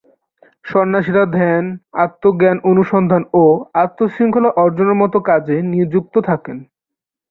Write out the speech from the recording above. সন্ন্যাসীরা ধ্যান, আত্ম-জ্ঞান অনুসন্ধান ও আত্ম-শৃঙ্খলা অর্জনের মতো কাজে নিযুক্ত থাকেন।